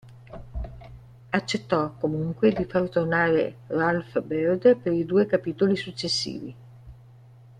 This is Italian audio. Accettò, comunque, di fare tornare Ralph Byrd per i due capitoli successivi.